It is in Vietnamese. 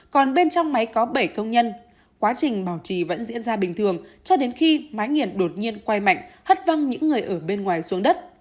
còn bên trong máy có bảy công nhân quá trình bảo trì vẫn diễn ra bình thường cho đến khi mái nghi nghiện đột nhiên quay mạnh hất văng những người ở bên ngoài xuống đất